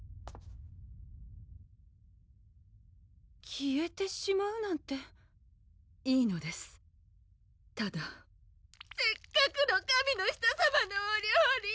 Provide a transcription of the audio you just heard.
消えてしまうなんていいのですただせっかくの神の舌さまのお料理